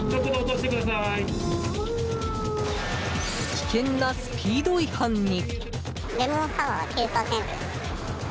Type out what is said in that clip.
危険なスピード違反に。